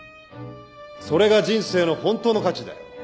それが人生の本当の価値だよ。